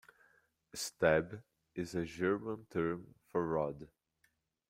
"Stab" is a German term for rod.